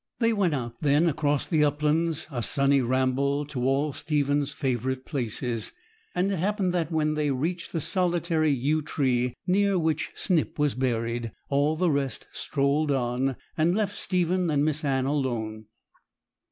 They went out then across the uplands, a sunny ramble, to all Stephen's favourite places. And it happened that when they reached the solitary yew tree near which Snip was buried, all the rest strolled on, and left Stephen and Miss Anne alone.